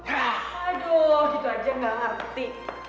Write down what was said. aduh gitu aja gak ngerti